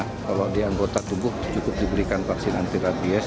kalau di anggota tubuh cukup diberikan vaksin antirabies